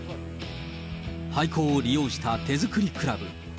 廃校を利用した手作りクラブ。